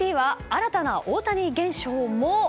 新たな大谷現象も。